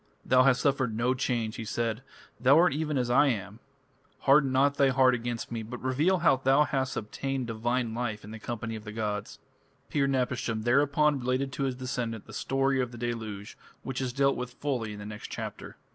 "Thou hast suffered no change," he said, "thou art even as I am. Harden not thy heart against me, but reveal how thou hast obtained divine life in the company of the gods." Pir napishtim thereupon related to his descendant the story of the deluge, which is dealt with fully in the next chapter.